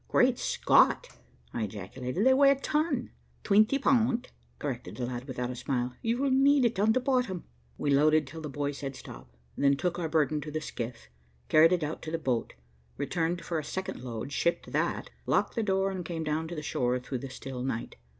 "Great Scott," I ejaculated, "they weigh a ton." "Twinty pund," corrected the lad, without a smile. "You'll need it on bottom." We loaded till the boy said "stop," then took our burden to the skiff, carried it out to the boat, returned for a second load, shipped that, locked the door, and came down to the shore through the still night.